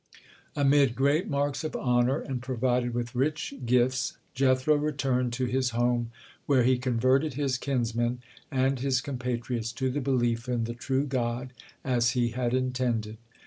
Amid great marks of honor, and provided with rich gifts, Jethro returned to his home, where he converted his kinsmen and his compatriots to the belief in the true God, as he had intended.